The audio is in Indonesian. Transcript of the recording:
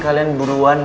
kita harus bersyukur